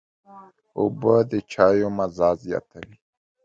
اوبه د چايو مزه زیاتوي.